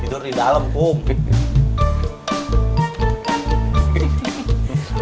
tidur di dalam kum